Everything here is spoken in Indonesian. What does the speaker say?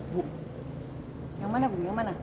bu yang mana bu yang mana